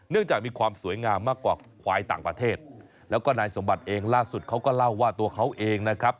จากมีความสวยงามมากกว่าควายต่างประเทศแล้วก็นายสมบัติเองล่าสุดเขาก็เล่าว่าตัวเขาเองนะครับ